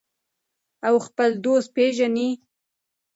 او خپل دوست پیژني.